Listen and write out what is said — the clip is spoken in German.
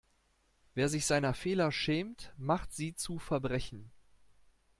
Wer sich seiner Fehler schämt, macht sie zu Verbrechen.